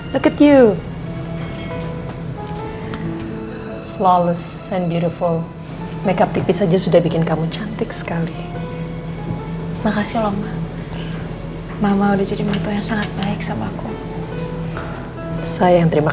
sampai jumpa di video selanjutnya